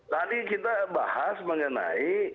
tadi kita bahas mengenai